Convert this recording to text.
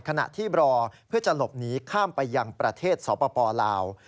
ขณะที่รอเพื่อจะหลบหนีข้ามไปยังประเทศสปลาว